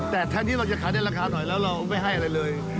แต่แทนที่เราจะขายในราคาหน่อยแล้วเราไม่ให้อะไรเลย